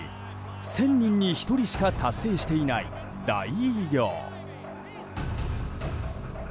１０００人に１人しか達成していない大偉業。